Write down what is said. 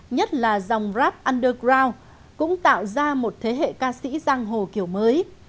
nhất là dòng rap andergrow cũng tạo ra một thế hệ ca sĩ giang hồ kiểu mới